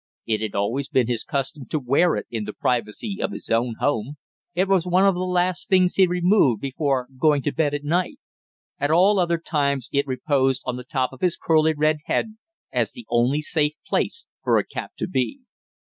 It had always been his custom to wear it in the privacy of his own home, it was one of the last things he removed before going to bed at night; at all other times it reposed on the top of his curly red head as the only safe place for a cap to be.